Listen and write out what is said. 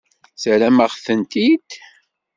Terram-aɣ-tent-id?